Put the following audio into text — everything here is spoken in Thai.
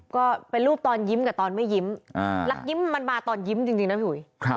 ก็เป็นรูปตอนยิ้มกับตอนไม่ยิ้มรักยิ้มมันมาตอนยิ้มจริงนะพี่หุย